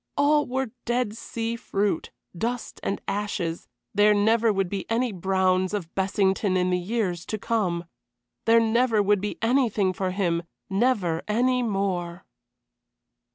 All were dead sea fruit, dust and ashes; there never would be any Browns of Bessington in the years to come. There never would be anything for him, never any more.